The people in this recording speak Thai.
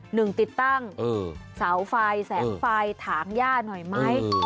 หนึ่งติดตั้งเสาไฟแสงไฟถางย่าหน่อยไหม